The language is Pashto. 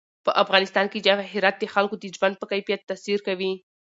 په افغانستان کې جواهرات د خلکو د ژوند په کیفیت تاثیر کوي.